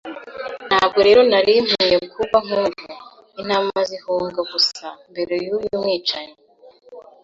Ntabwo rero nari nkwiye kuba nkubu, intama zihunga gusa mbere yuyu mwicanyi.